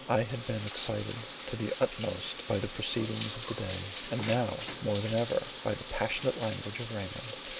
I had been excited to the utmost by the proceedings of the day, and now more than ever by the passionate language of Raymond.